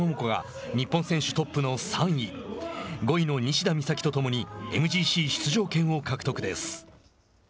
女子では渡邉桃子が日本選手トップの３位５位の西田美咲とともにＭＧＣ出場権を獲得です。